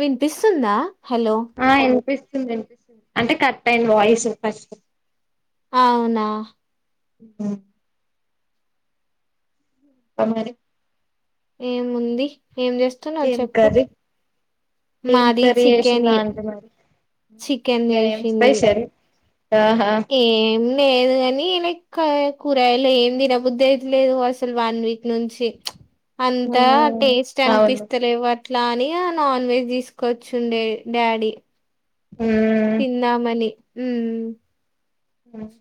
వినిపిస్తుందా హలో ఆ ఇనిపిస్తుంది ఇనిపిస్తుంది అంటే కట్ అయినా వాయిస్ ఫస్ట్ అవునా ఉ తొగరి ఏముంది ఏం చేస్తున్నావ్ ఏం చెప్పు కర్రీ ఏం మాది కర్రీ చికెన్ చేసిందా అంటున్నారు ఉ చికెన్ ఏం స్పెషల్ ఆహా ఏం లేదు కాని లైక కూరగాయలు ఏం తినబుద్ధి అయితలేదు అసలు వన్ వీక్ నుంచి అంతా ఉమ్, టేస్ట్ అవును అనిపిస్తలే వాట్ ఆట్లాని ఇగ నాన్ వెజ్ తీసుకొచ్చుండే డాడీ ఉ తిన్నామని ఉ ఉ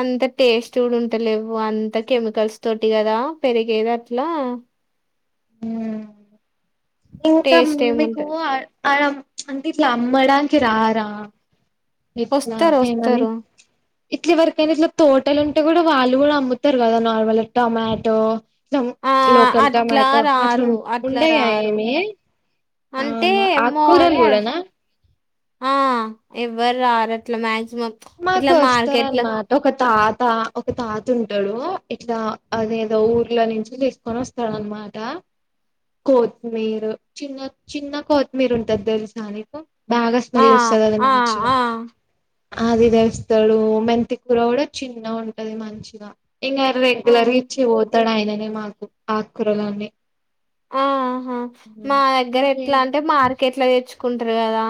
అంత టేస్ట్ గుడా ఉంటలేవు అంత కెమికల్స్ తోటి కదా పెరిగేది అట్లా ఉమ్. ఇంకా టేస్ట్ మీకు ఏముంటది అడ్ ఆడమ్ అంటే ఇట్లా అమ్మడానికి రారా ఇట్లా వస్తారు ఏమని వస్తారు ఇట్లి ఏవరికైనా ఇట్లా తోటలు ఉంటే కూడా వాళ్ళు కూడా అమ్ముతారు కదా నార్మల్ టొమాటో తమ్ ఆ లోకల్ అట్లా టమాట్ రారు అట్లా రారు అంటే అవునా ఏమో ఆకుకూరలు అనే కూడానా ఆ ఎవ్వరు రారు అట్లా మ్యాక్సిమం మాకు వస్తారన్నా టో ఒక తాత ఒక తాత ఉంటాడు ఇట్లా అదేదో ఊర్లో నుంచి తీస్ కొనస్తాడు అన్నమాట కొత్ మీరు చిన్న చిన్న కొత్తిమీరు ఉంటది తెలుసా నీకు బాగా ఆ స్మెల్ వస్తది అది ఆ మంచిగా ఆ ఆది తెస్తాడు మెంతి కూర కూడా చిన్న గా ఉంటది మంచిగా ఇంగా ఆ! రెగ్యులర్ గా ఇచ్చి పోతాడు ఆయననే మాకు ఆకురాలు అన్ని ఆ ఆహా మ దగ్గర ఎట్లా ఇంకేం అంటే మార్కెట్లా తెచ్చుకుంటారు కదా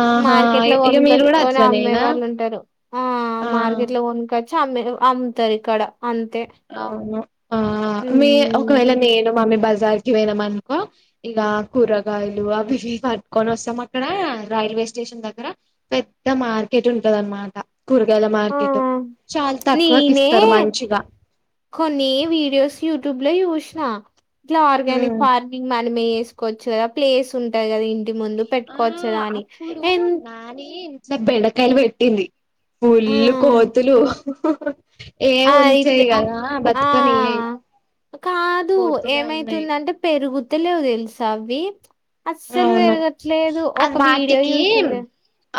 ఆహా మార్కెట్ లో ఇక మీరు కూడా కొనుకోచుకొని అమ్మే అట్లనేనా వాళ్ళు ఉంటారు ఆ ఆ మార్కెట్ లో కోనుకొచ్చి అమే అమ్ముతారు ఇక్కడ అంతే అవును ఆ మీ ఉమ్ ఒకవేళ నేను మమ్మీ బజార్ కి పోయినాము అనుకో ఇగ కూరగాయలు అవి ఇవి పట్టుకొని వస్తాం అక్కడ రైల్వే స్టేషన్ దగ్గర పెద్దా మార్కెట్ ఉంటది అన్నమాట కూరగాయల ఆ మార్కెట్ చాలా తక్కువకి నేనే ఇస్తారు మంచిగా కొన్ని వీడియోస్ యూట్యూబ్ లో చూసిన ఇట్లా ఆర్గానిక్ హ్మ్. ఫార్మింగ్ మ మనమె వేసుకోవచ్చు కదా ప్లేస్ ఉంటయి కదా ఇంటి ముందు పెట్టుకోవచ్చు కదా అని కానీ ఇంట్లో బెండకాయలు పెట్టింది ఆ పుల్లు కోతులు ఏ ఆ అయితే ఉంచయి కదా ఆ బతుకని ఏ కాదు ఏమైతుందంటే పెరుగుతలేవు తెలుసా అవి అస్సలు అవును పెరగట్లేదు అది ఒక వీడియో వాటికి చూసింది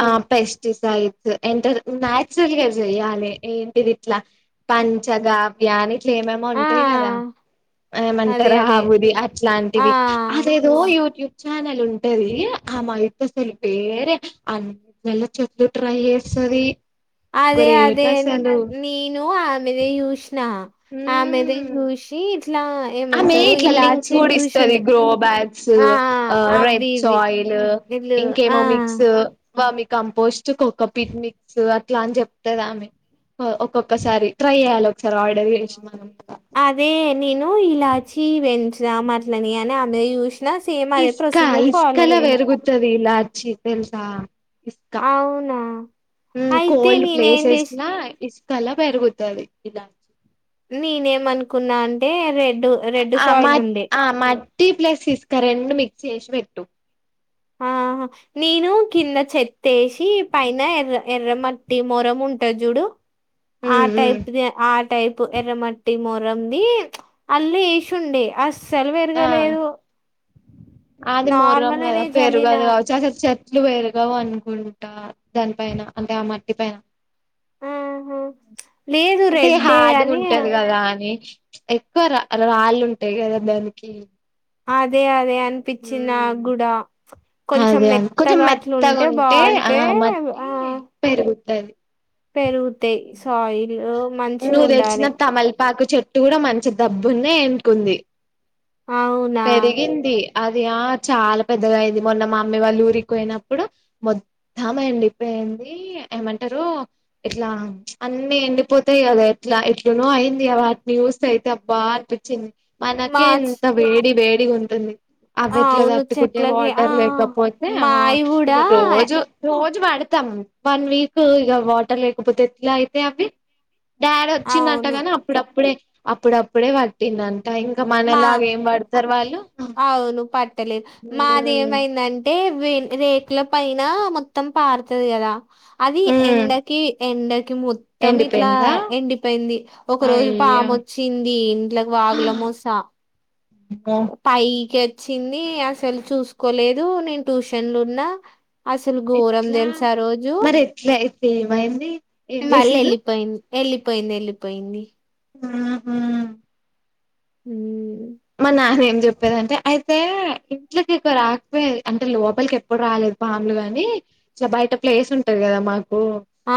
ఆ పెస్టిసైడ్స్ ఎంత నాచురల్ గా చెయాలి ఏంటిది ఇట్లా పంచగావ్యాని ఇట్లు ఏమేమో ఆ ఉంటాయి కదా అదే ఏమంటారా అదే ఆవుది ఆ అట్లాంటివి అదేదో యూట్యూబ్ ఛానల్ ఉంటది ఆ మా ఇత్తసలు పేరే అ ట్రై చేస్తుంది అదే అదే నేను ఆమెదే చూసిన ఆమెదే హ్మ్ చూసి ఇట్లా ఆమె ఏమంటారు ఇట్లా లింక్స్ ఇలాచి కూడా ఇస్తది చూసిండే గ్రో బ్యాగ్స్ ఆ ఆ అవి రెడ్ ఇవి సాయిల్ వీళ్ళు ఆ ఇంకేమో మిక్స్ వర్మి కంపోస్ట్ కోక పిట్ మిక్స్ అట్లా అని చెప్తదామె ఒక్కొక్కసారి ట్రై చేయ్యాలి ఒకసారి ఆర్డర్ చేసి మనం అదే నేను ఇలాచి పెంచుధామ్ అట్లని అని అందులో చూసాను సేమ్ అదే ప్రొసీజర్ ఫాలో అయినా ఇలాచ్చి తెలుసా ఇసుక అవునా అయితే కోల్డ్ నేనేం ప్లేసెస్ చేసి ల ఇసుక కల పెరుగుతుంది ఇలా నేనేమనుకున్నా అంటే రెడ్డు ఆ మట్ ఆ మట్టీ ప్లస్ ఇసుక రెండు మిక్స్ చేసి పెట్టు ఆ నేను కింద చెత్తేసి పైన ఎర్ర ఎర్ర మట్టి మొరం ఉంటది చూడు ఆ టైప్ది ఆ టైపు ఎర్రమట్టి మొరంది అల్ళ వేసిండే అ అస్సలు ఆ పెరగలేదు అది మొర్రం నార్మల్ అనే కదా పెరుగదు జల్లిన కావచ్చు అస్సలు చెట్లు పెరుగవు అనుకుంటా దానిపైన అంటే ఆ మట్టి పైన ఆహ అంటే హార్డ్గ ఉంటది కదా అని ఎక్కువ రాళ్ళు ఉంటాయి కదా దానికి అదే అదే అనిపిచ్చింది ఉమ్ నాకు కూడా కొంచెం అదే అ కొంచెం మెత్తగా అట్లు మెత్తగా ఉంటే ఆ బాగుంటే మట్టి పెరుగుతుది పెరుగుతాయ్ సోయిల్ నువ్వు తెచ్చిన తమలపాకు చెట్టు కూడా మంచి దబ్బున్న అంటుకుంది అవునా పెరిగింది అది ఆ చాలా పెద్దగా అయింది మొన్న మా అమ్మీ వాళ్ళు ఊరికి పోయినప్పుడు మ మొత్తం ఎండిపోయింది ఏమంటారు ఇట్లా అన్ని ఎండిపోతు యి కదా ఎట్లా ఎట్లునో అయింది వాటిని చూస్త అయితే అబ్బా అనిపించింది మనకే మార్చ్ ఇంత వేడి వేడి గ ఉంటుంది అవేట్లా అవును తట్టుకుంటాయ్ చెట్లకి ఆ వాటర్ లేకపోతే ఆ మాయి ఇక కూడా రోజు రోజు పడతాం వన్ వీక్ ఇక వాటర్ లేకపోతే ఎట్లా అవుత్తయ్ అవి డాడీ వచ్చిండంట అవును కాని అప్పుడప్పుడే అప్పుడప్పుడే పట్టిండంట ఇంకా మా మనలాగ ఏం పడతారు వాళ్ళు అవును ఉమ్ అంటే రేకుల పైన మొత్తం పారుతది కదా అది ఉమ్ ఎంటకి ఎంటకి ము మొత్తం ఇట్లా ఎండిపోయిందా ఎండిపోయింది ఒక రోజు అయ్యో పాము వచ్చింది ఇంట్లోకి వాగుల మోస హ పైకి వచ్చింది అసలు చూసుకోలేదు నేను ట్యూషన్లు ఉన్నా అసలు ఘోరం ఎట్లా తెలుసా ఆ రోజు మరి అయితే ఏమైంది ఏం మళ్ళీ చేసిర్రు వెళ్ళిపోయింది వెళ్ళిపోయింది వెళ్ళిపోయింది ఆహా ఉ మా నాన్న ఏం చెప్పేదింటే అయితే ఇంట్లకి ఇక రాకపోయ అంటే లోపలికి ఎప్పుడు రాలేదు పాములు గాని ఇలా బయట ప్లేస్ ఉంటారు కదా మాకు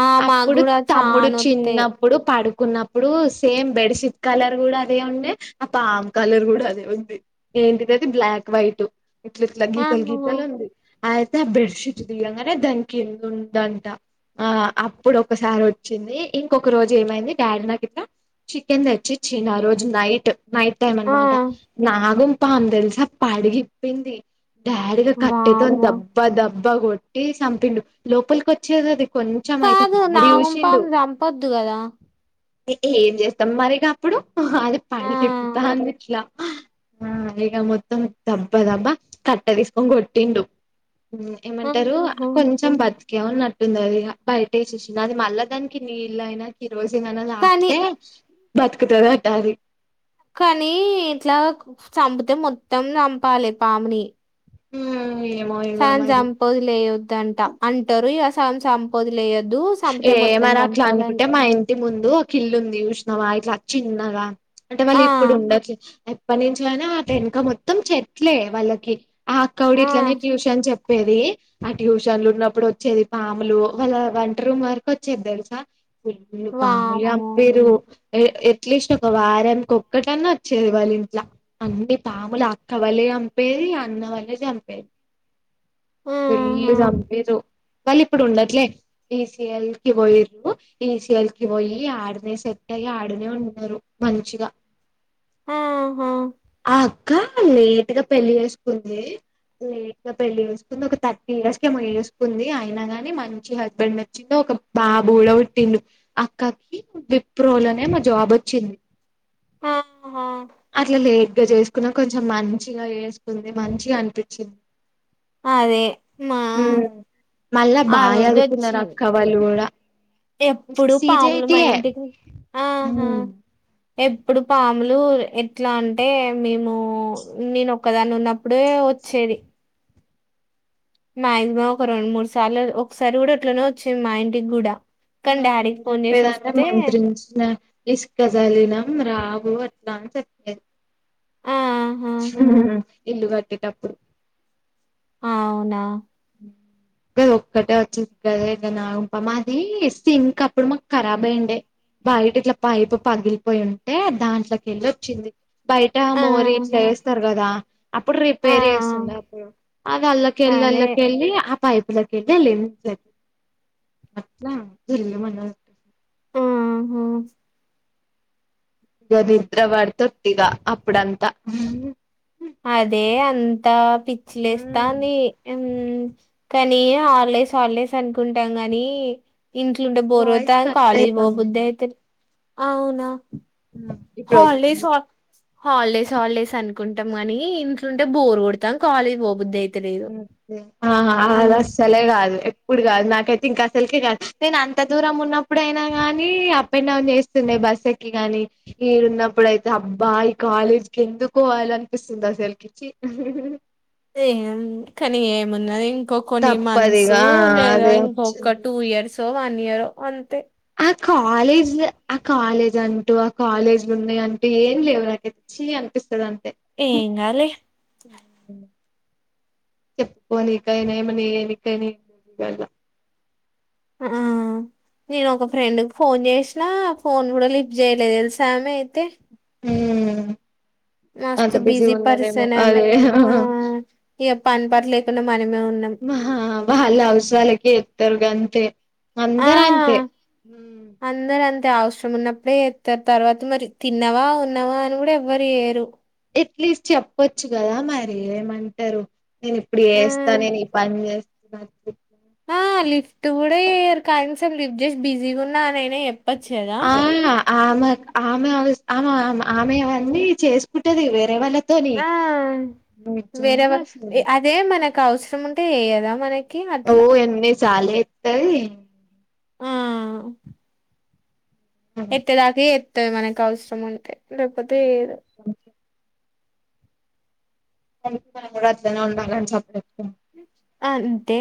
ఆ మాకు అప్పుడు కూడా తమ్ముడు చానా వత్తాయి చిన్నప్పు ప్పుడు పడుకున్నప్పుడు సేమ్ బెడ్ షీట్ కలర్ కూడా అదే ఉండే ఆ పా కలర్ కూడా అదే ఉంది ఏంటిదది బ్లాక్ వైట్ ఇట్ల ఇట్లా ఆ గీతలు గీతలు ఉంది అ అయితే ఆ బెడ్ షీట్ దిగాంగానే దాని కిందుందంట ఆ అప్పుడు ఒకసారి వచ్చింది ఇంకొక రోజు ఏమైంది డాడీ నాకుట్లా చికెన్ తెచ్చిచ్చన్ ఆ రోజు నైట్ నైట్ ఆ లేమనమాట నాగమ్ పామె తెలిసా అ పడగిప్పింది డాడీగా కట్టేతోంది వామ్మో దబ్బా దబ్బా కొట్టి చంపిండు లోపలికి వచ్చేది అది కొంచం అయితే కాదు డాడీ చూసిండు నాగంపాము చంపొద్దు కదా ఏం చేస్తాం మరిక అప్పుడు అది ఆ పడగెత్తుతాంది ఇట్లా ఆ ఇగ మొత్తం దబ్బా దబ్బా కట్ట తీసుకొని కొట్టిండు ఆహా ఏమంటారు కొంచెం బ ఏమని నట్టుంది అది బయట వసేసింది అది మళ్ళా దానికి నీళ్ళయినా కిరోసినయినా కానీ అతే బతుకుతది అట్టది కానీ ఇట్లా చంపితే మొత్తం చంపాలి పాముని ఆ సగం సంపోదిలేయొద్దు అంటారు ఇక సం సంపోదిలేయొద్దు ఏ మరట్లంటే మా ఇ ఇంటి ముందు ఒక ఇల్లు ఉంది చూసినవా ఇట్లా చిన్నగా అంటే ఆ వాళ్ళు ఇప్పుడు ఉండ అప్ప నుంచనే అటు ఆ వెనక మొత్తం చెట్లే వాళ్ళకి ఆ అక్క గూడ ఇట్లనే ట్యూషన్ చెప్ ప్పేది ఆ ట్యూషన్లు ఉన్నప్పుడు వచ్చేది పాములు వాళ్ళ వా రూమ్ వరకు వచ్చేద్ తెల్సా పాములు వామ్మో చంపిరు ఎట్లీస్ట్ ఒక వారాకొక్కటన్నా వచ్చేది వాళ్ళు ఇంట్లా అన్ని పాములు అక్క వాళ్లే చంపేది అన్న వాళ్లే చంపేది ఫుల్లు ఆహా చంపిరు వాళ్ళీ ఇప్పుడు ఉండట్లే బీసఎల్ కి పోయరు ఈ సేల్కి పోయి ఆడనే సెట్ అయి ఆడనే ఉంటన్నారు మంచిగా ఆ ఆ అక్క లేటుగా పెళ్లి చేసుకుంది లేట్గా పెళ్లి చేసు ఒక థర్టీ ఇయర్స్ కేమో చేసుకుంది అయినా ని మం మంచి హస్బెండ్ వచ్చిండు ఒక బాబుడ పుట్టిండు అక్కకి విప్రోలునేమో జాబ్ వచ్చింది ఆహా అట్ల లేట్గా చేస్ కొంచెం మంచిగా వేసుకుంది మంచిగా అనిపించింది అదే మా ఉ మళ్ళా ఆ బాగా రోజు చదువుకున్నారు వచ్చింది అక్క వాళ్ళు కూడా ఎప్పుడు పాములు మా సిజేటియే ఇంటికి ఆహా ఉమ్. ఎప్పుడు పాములు ఎట్లా అంటే మేము నేను ఒక్కదాన్ని ఉన్న ఇప్పుడే వచ్చేది మాక్సిమం ఒక రెండు మూడు సార్లు ఒకసారి కూడా అట్లనే వచ్చింది మా ఇంటికి కూడా మా కానీ నాన్న ఏం డాడీకి ఫోన్ చేసి చెప్పేదంటే వస్తే మంత్రించిన ఇసుక జల్లినం రావు అట్లా అనీ చెప్పేది ఆహా ఉ ఇల్లు కట్టేటప్పుడు అవునా కద ఒక్కటే వచ్చింది కదా ఇంగ నాగం పాము అది సింక్ ఆప్పుడు మాకు ఖరాబ్ అయ్యండే బయట ఇట్లా పైపు పగిలిపోయి ఉంటే దాంట్లోకి వెళ్ళి వచ్చింది బయట ఆ మోరి ఇట్లా వేస్తారు కదా అప్పుడు ఆ రిపేర్ చేస్త ఆది అల్లకెళ్లల్లి అదే వచ్ వెళ్ళి ఆ పైప్ కెళ్ళి ఎల్లింది అట్లా [inaudible] ఆ ఆ ఏ [unintelligible] అప్పుడంతా అదే అంతా హ్మ్ పిచ్చిలేస్తాంధి ఉమ్ కానీ హల్డేస్ హల్డేస్ అనుకుంటాం గానీ ఇంట్లో ఉంటే బోర్ వాయిస్ కొడుతంది కట్ కాలేజ్ పోబుద్దు అయితాంది అయితే అవునా హ్మ్ ఇప్పుడు okay holidays okay. Holidays holidays అనుకుంట్ టం కాని ఇంట్లో ఉంటే బోరు కొడాంది కాలేజ్ పోబుద్దు అయి ఆ అల్రాష్ అసలే కాదు ఎప్పుడు కాదు నాకైతే ఇంకా అసలుకే కాదు నేను అంత దూరం ఉన్నప్పుడయినా కానీ పోయనవ్ అని చేస్తుండే బస్ ఎక్కి గాని ఇడా ఉన్నప్పుడైతే అబ్బా ఈ కాలేజ్కి ఎందుకు పోవాలి అనిపిస్తుంది అసలుకి కి ఏ కానీ ఏమున్నది ఇంకో కొన్ని మంత్స్ తప్పదిగా లేదా అదే ఇంకొక వచ్చింది టూ ఇయర్స్ వన్ ఇయరో అంతే ఆ కాలేజ్ ఆ కాలేజ్ అంటూ ఆ కాలేజ్ ఉన్నాయి అంటే ఏం లేవటె చి అనిపిస్తది అంతే ఏం కాదులే ఉ చెప్పుకోని ఇకైనా ఏమన్నా ఎమీ కి అని కళ ఆ నేను ఒక ఫ్రెండ్ ఫోన్ చేసినా ఫోన్ కూడా లిఫ్ చేయలేదు తెలుసా ఆమె అయితే ఉ మస్తు బిజీ పరిసన్ అమే అదే ఆ ఆ ఏ పని పాట లేకుండా మనమే ఉన్నాం ఆ వాళ్ళ అవసారాలకే ఎత్తరు గంతే ఆ అందరు అంతే అందరు అంతే అవసరం ఉన్నప్పుడే చేస్తారు తర్వాత మరి తిన్నావా ఉన్నావా అని కూడా ఎవ్వరు చేయ్యరు ఎట్లీస్ట్ చెప్పొచ్చు కదా మరీ ఏమంటారు నేను ఇప్పుడు చేస్తా నేను ఈ పని చేస్తున్నా ఆ లిఫ్ట్ కూడా చెయ్యరు కనీసం లిఫ్ట్ చేసి బిజీగా ఉన్నా అనైన చెప్ ఆ ఆమె ఆమె ఆమె ఆమె అవన్నీ చేసుకుంటది వేరే వాళ్ళ తోని ఆ నిజంగాసాలు ఇదే మనకు అవసరం ఉంటే చేయదా మనకి ఓ అట్లా ఎన్ని సార్లు చెప్తది ఆ చెప్తది ఎత్తేదాక ఎత్తది మనకి అవసరం ఉంటే లేకపోతే ఇయ్యదు వాతనే ఉండాలండి సెప్రాట్గా అంతే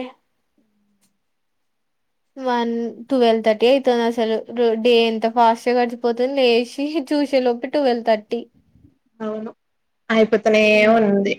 వన్ ట్వెల్వ్ థర్టీ అయితుంది అసలు డే ఎంత ఫాస్ట్గా గడిచిపోతుంది లేచి చూసే లోప్ప ట్వల్తర్టీ అవును అయిపోతేనే ఉంది